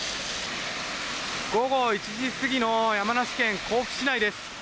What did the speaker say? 午後１時過ぎの山梨県甲府市内です。